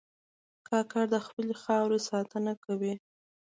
کاکړ د خپلې خاورې ساتنه کوي.